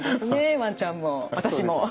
ワンちゃんも私も！